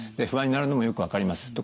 不安になるのもよく分かります。